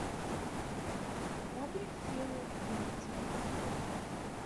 Why do you feel you need to make them happy?